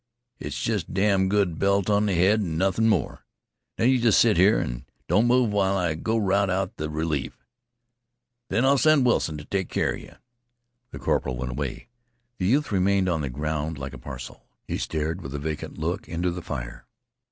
It's jest a damn' good belt on th' head, an' nothin' more. Now, you jest sit here an' don't move, while I go rout out th' relief. Then I'll send Wilson t' take keer 'a yeh." The corporal went away. The youth remained on the ground like a parcel. He stared with a vacant look into the fire.